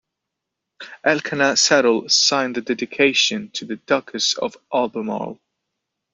Elkanah Settle signed the dedication to the Duchess of Albemarle.